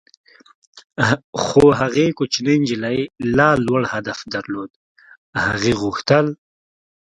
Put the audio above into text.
خو هغې کوچنۍ نجلۍ لا لوړ هدف درلود - هغې غوښتل.